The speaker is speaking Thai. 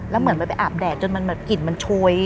แล้วเหมือนไปอาบแดดจนกลิ่นมันโชย